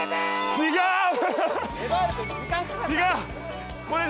違う。